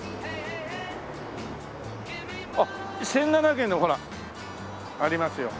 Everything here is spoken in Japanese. あっ１７００円のほらありますよ。